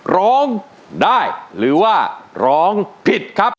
ร้องได้หรือว่าร้องผิดครับ